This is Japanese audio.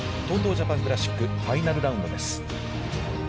ジャパンクラシックファイナルラウンドです。